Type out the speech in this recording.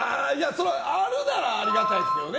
あるならありがたいですけどね。